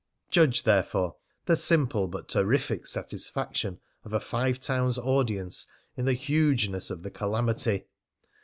Judge, therefore, the simple but terrific satisfaction of a Five Towns' audience in the hugeness of the calamity.